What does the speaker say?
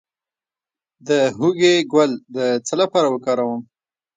د هوږې ګل د څه لپاره وکاروم؟